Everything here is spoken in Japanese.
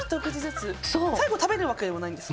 最後食べるわけではないんですか？